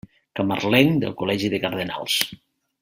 Camarlenc del Col·legi de Cardenals.